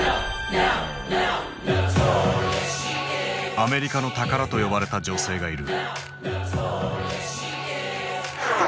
「アメリカの宝」と呼ばれた女性がいる。